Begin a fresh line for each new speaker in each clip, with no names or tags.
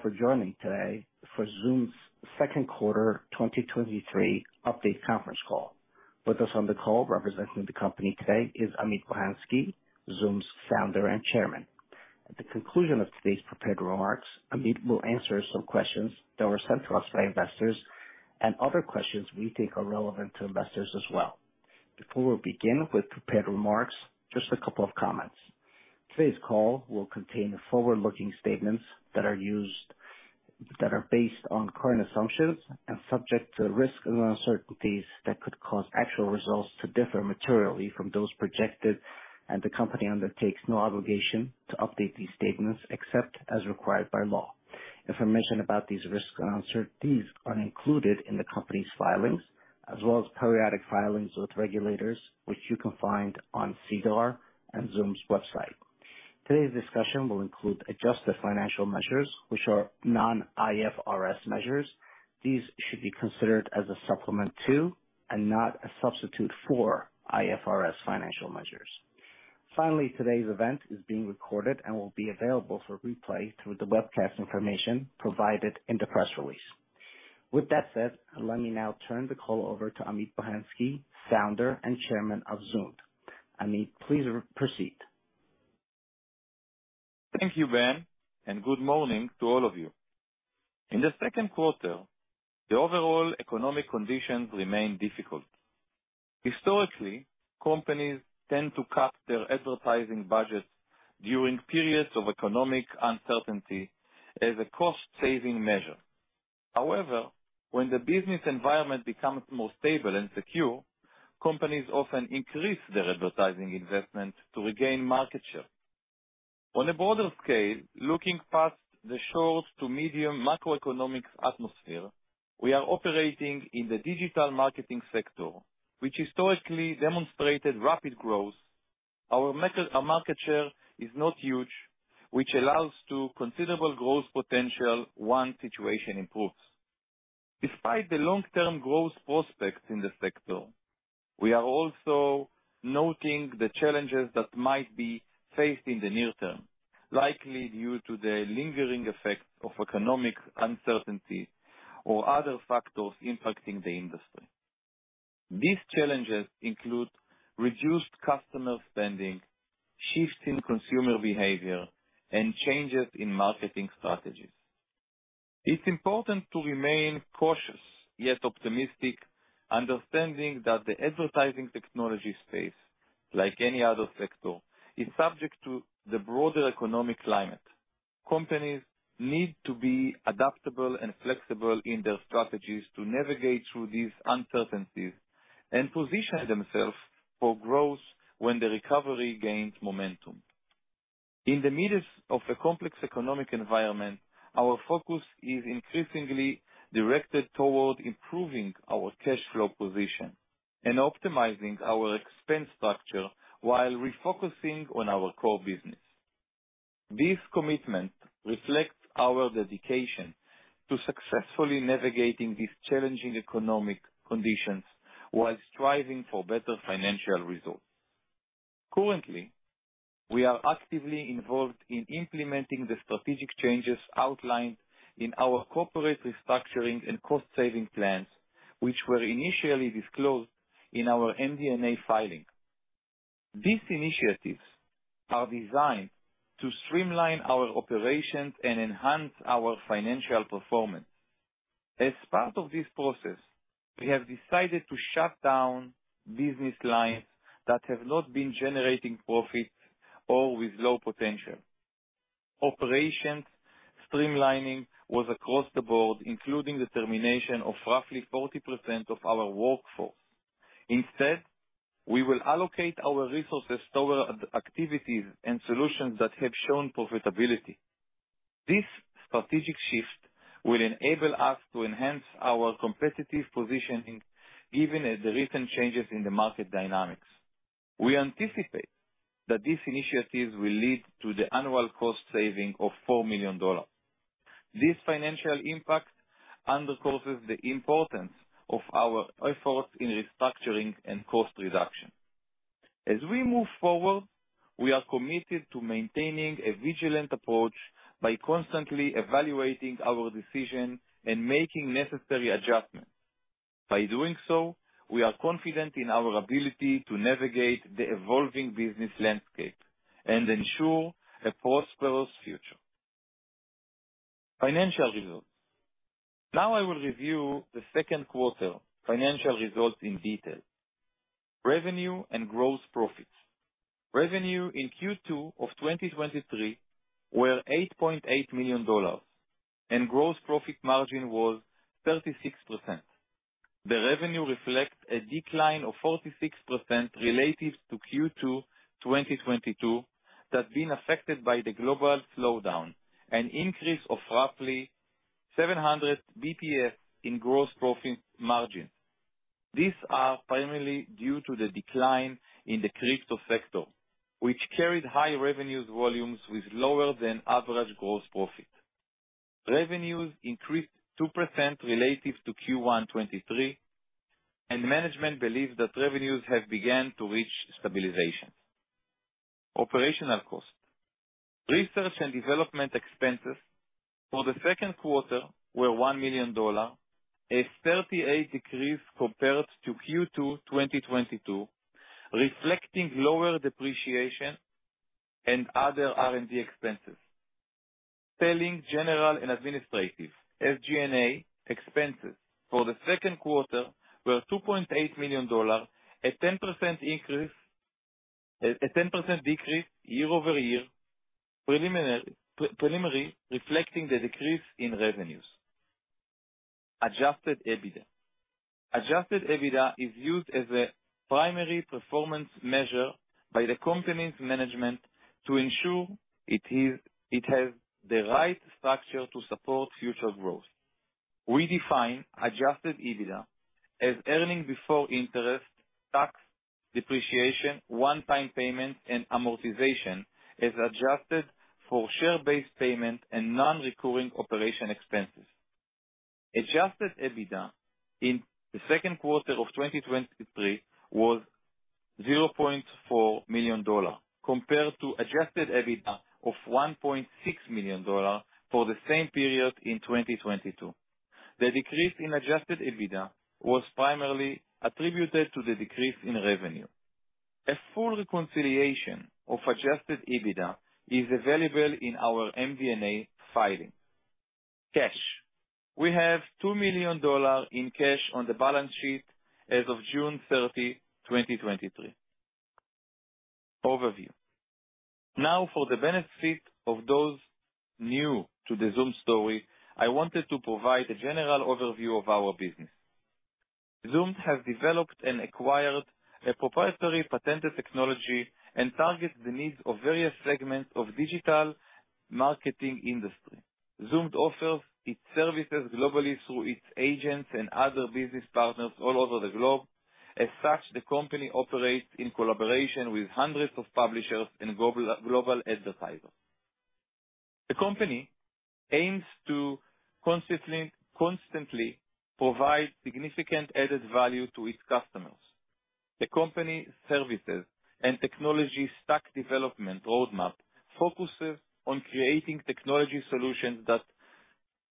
Thank you all for joining today for Zoomd's Second Quarter 2023 Update Conference Call. With us on the call, representing the company today, is Amit Bohensky, Zoomd's founder and chairman. At the conclusion of today's prepared remarks, Amit will answer some questions that were sent to us by investors and other questions we think are relevant to investors as well. Before we begin with prepared remarks, just a couple of comments. Today's call will contain forward-looking statements that are based on current assumptions and subject to risks and uncertainties that could cause actual results to differ materially from those projected, and the company undertakes no obligation to update these statements except as required by law. Information about these risks and uncertainties are included in the company's filings, as well as periodic filings with regulators, which you can find on SEDAR and Zoomd's website. Today's discussion will include adjusted financial measures, which are non-IFRS measures. These should be considered as a supplement to, and not a substitute for, IFRS financial measures. Finally, today's event is being recorded and will be available for replay through the webcast information provided in the press release. With that said, let me now turn the call over to Amit Bohensky, founder and chairman of Zoomd. Amit, please proceed.
Thank you, Ben, and good morning to all of you. In the second quarter, the overall economic conditions remained difficult. Historically, companies tend to cut their advertising budgets during periods of economic uncertainty as a cost-saving measure. However, when the business environment becomes more stable and secure, companies often increase their advertising investment to regain market share. On a broader scale, looking past the short to medium macroeconomic atmosphere, we are operating in the digital marketing sector, which historically demonstrated rapid growth. Our our market share is not huge, which allows to considerable growth potential once situation improves. Despite the long-term growth prospects in the sector, we are also noting the challenges that might be faced in the near term, likely due to the lingering effects of economic uncertainty or other factors impacting the industry. These challenges include reduced customer spending, shifts in consumer behavior, and changes in marketing strategies. It's important to remain cautious, yet optimistic, understanding that the advertising technology space, like any other sector, is subject to the broader economic climate. Companies need to be adaptable and flexible in their strategies to navigate through these uncertainties and position themselves for growth when the recovery gains momentum. In the midst of a complex economic environment, our focus is increasingly directed toward improving our cash flow position and optimizing our expense structure while refocusing on our core business. This commitment reflects our dedication to successfully navigating these challenging economic conditions while striving for better financial results. Currently, we are actively involved in implementing the strategic changes outlined in our corporate restructuring and cost-saving plans, which were initially disclosed in our MD&A filing. These initiatives are designed to streamline our operations and enhance our financial performance. As part of this process, we have decided to shut down business lines that have not been generating profits or with low potential. Operations streamlining was across the board, including the termination of roughly 40% of our workforce. Instead, we will allocate our resources toward ad- activities and solutions that have shown profitability. This strategic shift will enable us to enhance our competitive positioning, given the recent changes in the market dynamics. We anticipate that these initiatives will lead to the annual cost saving of $4 million. This financial impact underscores the importance of our efforts in restructuring and cost reduction. As we move forward, we are committed to maintaining a vigilant approach by constantly evaluating our decision and making necessary adjustments. By doing so, we are confident in our ability to navigate the evolving business landscape and ensure a prosperous future. Financial results. Now, I will review the second quarter financial results in detail. Revenue and gross profits. Revenue in Q2 of 2023 were $8.8 million, and gross profit margin was 36%. The revenue reflects a decline of 46% relative to Q2 2022, that's been affected by the global slowdown, an increase of roughly 700 BPS in gross profit margin. These are primarily due to the decline in the crypto sector, which carried high revenues volumes with lower than average gross profit. Revenues increased 2% relative to Q1 2023, and management believes that revenues have begun to reach stabilization.... Operational cost. Research and development expenses for the second quarter were $1 million, a 38% decrease compared to Q2 2022, reflecting lower depreciation and other R&D expenses. Selling, general, and administrative, SG&A, expenses for the second quarter were $2.8 million, a 10% increase, a 10% decrease year-over-year, preliminary, reflecting the decrease in revenues. Adjusted EBITDA. Adjusted EBITDA is used as a primary performance measure by the company's management to ensure it has the right structure to support future growth. We define adjusted EBITDA as earnings before interest, tax, depreciation, one-time payment, and amortization, as adjusted for share-based payment and non-recurring operation expenses. Adjusted EBITDA in the second quarter of 2023 was $0.4 million, compared to adjusted EBITDA of $1.6 million for the same period in 2022. The decrease in Adjusted EBITDA was primarily attributed to the decrease in revenue. A full reconciliation of Adjusted EBITDA is available in our MD&A filing. Cash. We have $2 million in cash on the balance sheet as of June 30, 2023. Overview. Now, for the benefit of those new to the Zoomd story, I wanted to provide a general overview of our business. Zoomd has developed and acquired a proprietary patented technology and targets the needs of various segments of digital marketing industry. Zoomd offers its services globally through its agents and other business partners all over the globe. As such, the company operates in collaboration with hundreds of publishers and global, global advertisers. The company aims to consistently, constantly provide significant added value to its customers. The company's services and technology stack development roadmap focuses on creating technology solutions that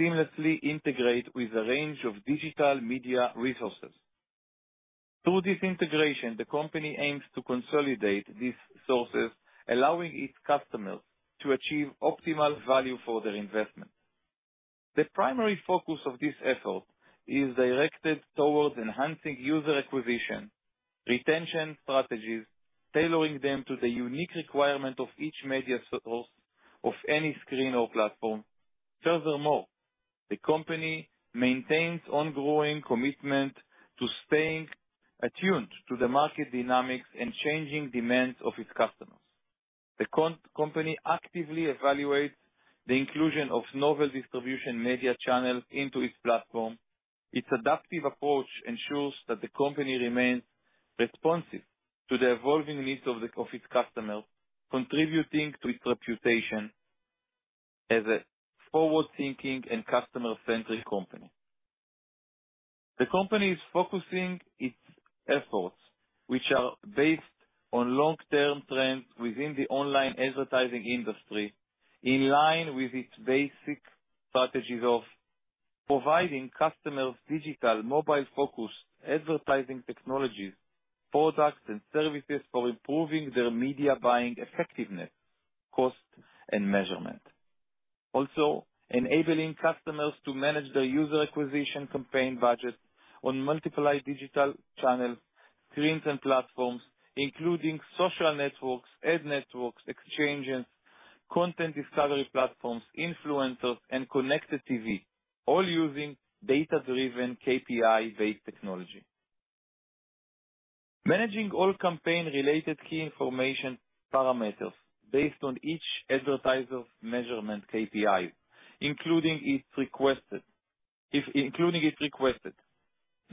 seamlessly integrate with a range of digital media resources. Through this integration, the company aims to consolidate these sources, allowing its customers to achieve optimal value for their investment. The primary focus of this effort is directed towards enhancing user acquisition, retention strategies, tailoring them to the unique requirement of each media source of any screen or platform. Furthermore, the company maintains ongoing commitment to staying attuned to the market dynamics and changing demands of its customers. The company actively evaluates the inclusion of novel distribution media channels into its platform. Its adaptive approach ensures that the company remains responsive to the evolving needs of its customers, contributing to its reputation as a forward-thinking and customer-centric company. The company is focusing its efforts, which are based on long-term trends within the online advertising industry, in line with its basic strategies of providing customers digital, mobile-focused advertising technologies, products, and services for improving their media buying effectiveness, cost, and measurement. Also, enabling customers to manage their user acquisition campaign budget on multiple digital channels, screens, and platforms, including social networks, ad networks, exchanges, content discovery platforms, influencers, and Connected TV, all using data-driven, KPI-based technology. Managing all campaign-related key information parameters based on each advertiser's measurement KPI, including its requested, the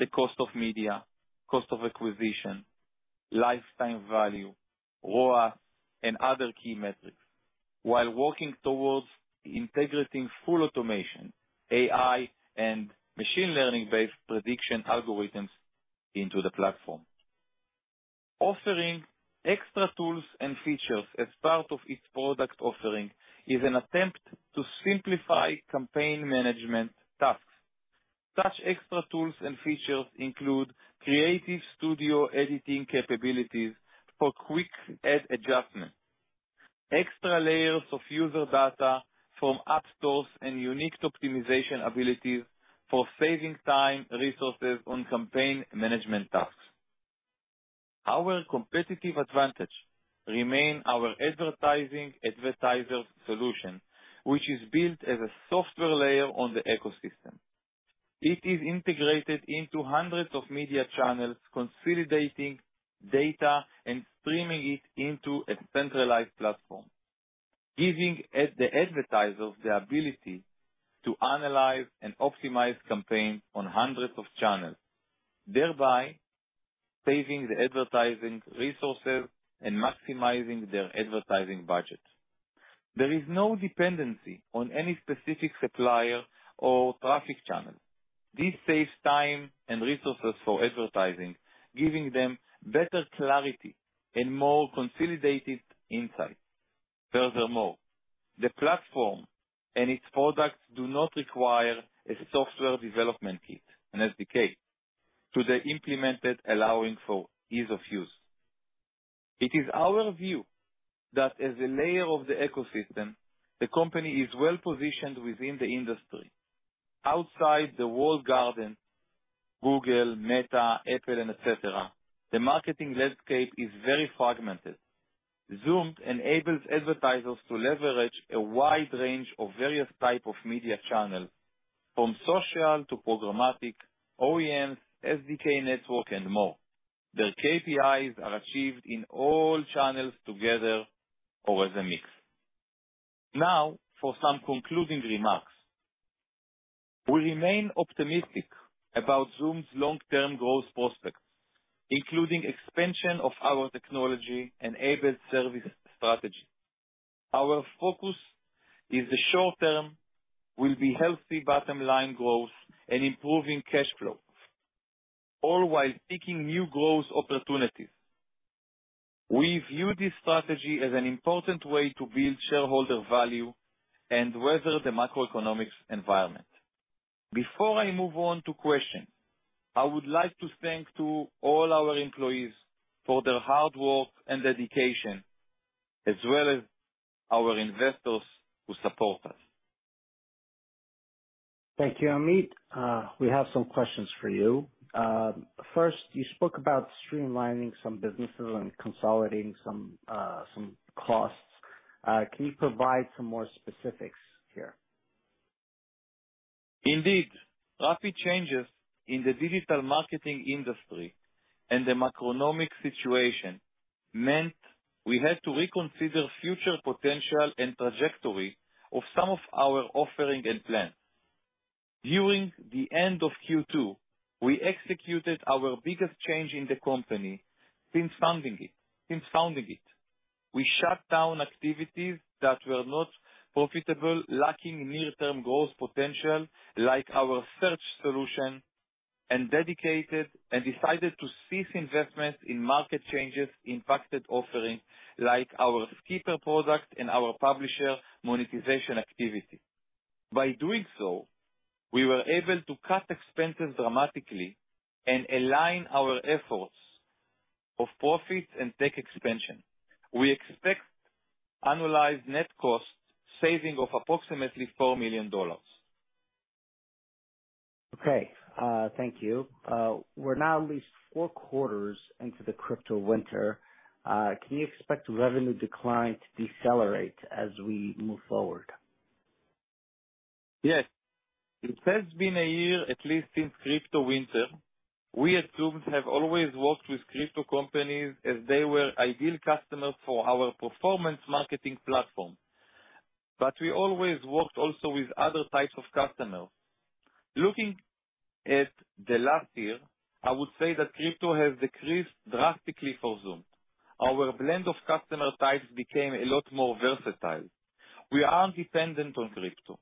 cost of media, cost of acquisition, lifetime value, ROAS, and other key metrics, while working towards integrating full automation, AI, and machine learning-based prediction algorithms into the platform. Offering extra tools and features as part of its product offering, is an attempt to simplify campaign management tasks. Such extra tools and features include creative studio editing capabilities for quick ad adjustment, extra layers of user data from app stores, and unique optimization abilities for saving time, resources on campaign management tasks. Our competitive advantage remain our advertising advertiser solution, which is built as a software layer on the ecosystem. It is integrated into hundreds of media channels, consolidating data and streaming it into a centralized platform, giving the advertisers the ability to analyze and optimize campaigns on hundreds of channels, thereby saving the advertising resources and maximizing their advertising budget. There is no dependency on any specific supplier or traffic channel. This saves time and resources for advertising, giving them better clarity and more consolidated insight. Furthermore, the platform and its products do not require a software development kit, an SDK, to be implemented, allowing for ease of use. It is our view that as a layer of the ecosystem, the company is well positioned within the industry. Outside the walled garden, Google, Meta, Apple, and etc., the marketing landscape is very fragmented. Zoomd enables advertisers to leverage a wide range of various types of media channels, from social to programmatic, OEM, SDK networks, and more. Their KPIs are achieved in all channels together or as a mix. Now, for some concluding remarks. We remain optimistic about Zoomd's long-term growth prospects, including expansion of our technology-enabled service strategy. Our focus in the short term will be healthy bottom line growth and improving cash flow, all while seeking new growth opportunities. We view this strategy as an important way to build shareholder value and weather the macroeconomic environment. Before I move on to questions, I would like to thank all our employees for their hard work and dedication, as well as our investors who support us.
Thank you, Amit. We have some questions for you. First, you spoke about streamlining some businesses and consolidating some, some costs. Can you provide some more specifics here?
Indeed. Rapid changes in the digital marketing industry and the macroeconomic situation meant we had to reconsider future potential and trajectory of some of our offerings and plans. During the end of Q2, we executed our biggest change in the company since founding it. We shut down activities that were not profitable, lacking near-term growth potential, like our search solution, and decided to cease investments in market changes, impacted offerings, like our Skippr product and our publisher monetization activity. By doing so, we were able to cut expenses dramatically and align our efforts of profit and tech expansion. We expect annualized net cost savings of approximately $4 million.
Okay, thank you. We're now at least four quarters into the crypto winter. Can you expect revenue decline to decelerate as we move forward?
Yes. It has been a year, at least, since crypto winter. We at Zoomd have always worked with crypto companies, as they were ideal customers for our performance marketing platform, but we always worked also with other types of customers. Looking at the last year, I would say that crypto has decreased drastically for Zoomd. Our blend of customer types became a lot more versatile. We aren't dependent on crypto.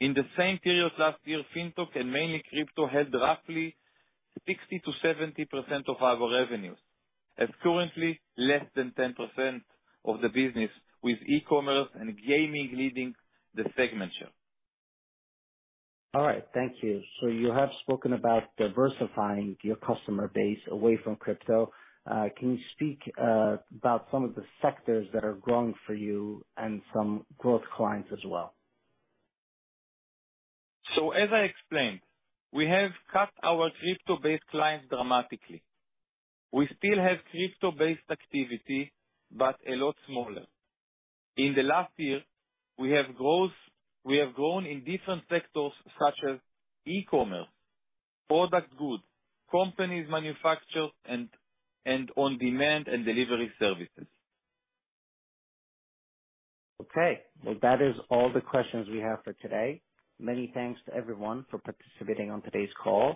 In the same period last year, fintech and mainly crypto, had roughly 60%-70% of our revenues. As currently, less than 10% of the business, with e-commerce and gaming leading the segment share.
All right. Thank you. So you have spoken about diversifying your customer base away from crypto. Can you speak about some of the sectors that are growing for you and some growth clients as well?
So, as I explained, we have cut our crypto-based clients dramatically. We still have crypto-based activity, but a lot smaller. In the last year, we have grown in different sectors such as e-commerce, product goods, companies manufacturer, and on-demand and delivery services.
Okay, well, that is all the questions we have for today. Many thanks to everyone for participating on today's call.